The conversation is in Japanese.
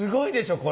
これ。